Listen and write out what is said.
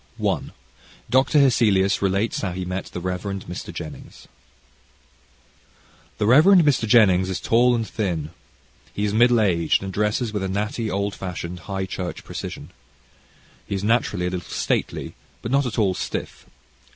CHAPTER I Dr. Hesselius Relates How He Met the Rev. Mr. Jennings The Rev. Mr. Jennings is tall and thin. He is middle aged, and dresses with a natty, old fashioned, high church precision. He is naturally a little stately, but not at all stiff.